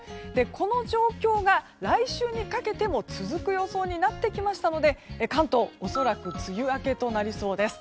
この状況が、来週にかけても続く予想になってきましたので関東、恐らく梅雨明けとなりそうです。